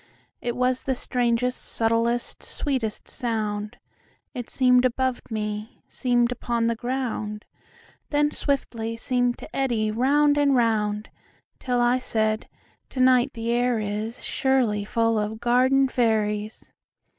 It was the strangest, subtlest, sweetest sound:It seem'd above me, seem'd upon the ground, Then swiftly seem'd to eddy round and round, Till I said: "To night the air isSurely full of garden fairies."